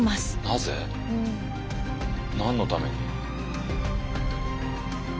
なぜ？何のために？